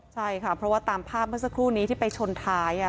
ใช่ค่ะเพราะว่าตามภาพเมื่อสักครู่นี้ที่ไปชนท้าย